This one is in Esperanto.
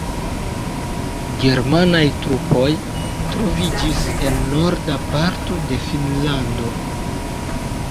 Germanaj trupoj troviĝis en norda parto de Finnlando.